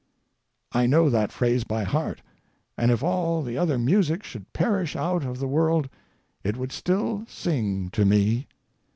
I know that phrase by heart, and if all the other music should perish out of the world it would still sing to me.